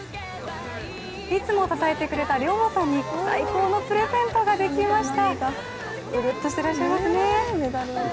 いつも支えてくれた寮母さんに最高のプレゼントができました。